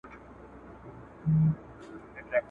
زور یې نه وو د شهپر د وزرونو `